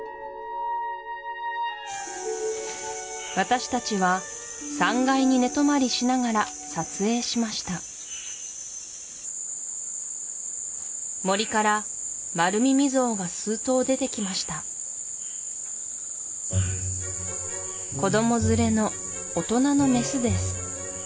私たちは３階に寝泊まりしながら撮影しました森からマルミミゾウが数頭出てきました子ども連れの大人のメスです